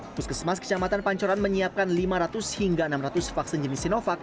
puskesmas kecamatan pancoran menyiapkan lima ratus hingga enam ratus vaksin jenis sinovac